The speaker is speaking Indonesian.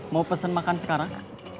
mau pesen makan sekarang